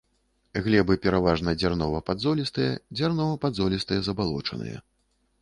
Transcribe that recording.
Глебы пераважна дзярнова-падзолістыя, дзярнова-падзолістыя забалочаныя.